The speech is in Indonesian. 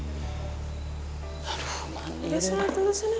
ya sholat dulu sana